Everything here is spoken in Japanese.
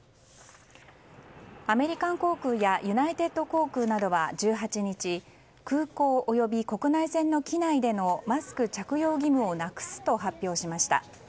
アメリカン航空やユナイテッド航空などは１８日空港及び国内線の機内でのマスク着用義務をなくすと発表しました。